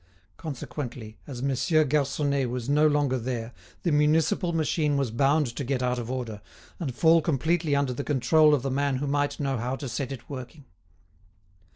Consequently, as Monsieur Garconnet was no longer there, the municipal machine was bound to get out of order, and fall completely under the control of the man who might know how to set it working.